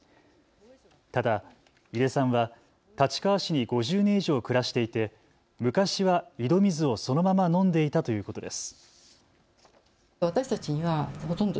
ただ井出さんは立川市に５０年以上暮らしていて昔は井戸水をそのまま飲んでいたということです。